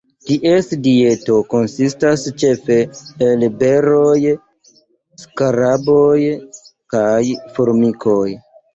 Ties dieto konsistas ĉefe el beroj, skaraboj kaj formikoj.